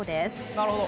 なるほど。